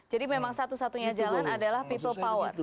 jadi memang satu satunya jalan adalah people power